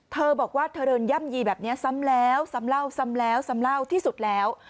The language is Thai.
เธอบอกว่าเธอเดินย่ำยีแบบนี้ซ้ำแล้วซ้ำเล่าซ้ำแล้วซ้ำเล่าที่สุดแล้ว